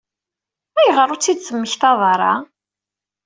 Ayɣer ur tt-id-temmektaḍ ara?